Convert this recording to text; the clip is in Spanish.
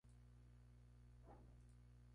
La pareja siente que se han conocido antes.